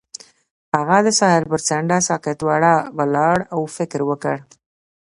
هغه د ساحل پر څنډه ساکت ولاړ او فکر وکړ.